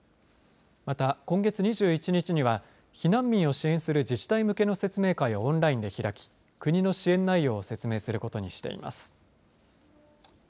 また、今月２１日には避難民を支援する自治体向けの説明会をオンラインで開き国の支援内容を説明することにしています。